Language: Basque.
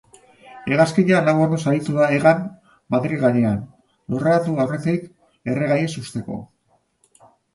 Hegazkina lau orduz aritu da hegan Madril gainean, lurreratu aurretik erregaiez husteko.